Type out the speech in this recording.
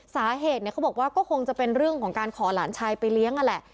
สาเหตุเนี่ยเขาบอกว่าก็คงจะเป็นเรื่องของการขอหลานชายไปเลี้ยงนั่นแหละ